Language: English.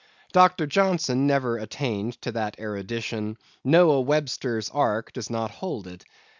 Dr. Johnson never attained to that erudition; Noah Webster's ark does not hold it.